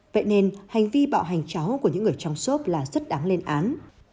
vậy nên hành vi bạo hành cháu của những người trong xốp là rất đáng lên án